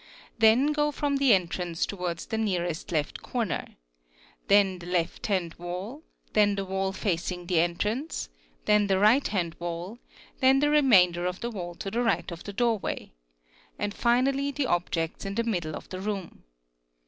Then go from the entrance towards the neares left corner, then the left hand wall, then the wall facing the entrance, then the right hand wall, then the remainder of the wall to the right 0 the doorway, and finally the objects in the middle of the room.